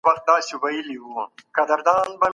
د دلارام د ښوونځي مدیر ډېر هوښیار سړی دی.